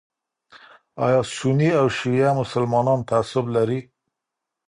ایا سني او شیعه مسلمانان تعصب لري؟